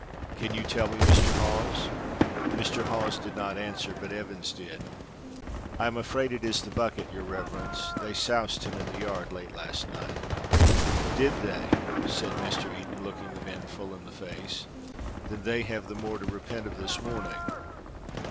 Can you tell me, Mr. Hawes?" Mr. Hawes did not answer, but Evans did. "I am afraid it is the bucket, your reverence. They soused him in the yard late last night." "Did they?" said Mr. Eden, looking the men full in the face. "Then they have the more to repent of this morning.